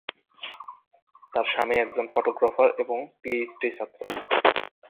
তার স্বামী একজন ফটোগ্রাফার এবং পিএইচডি ছাত্র।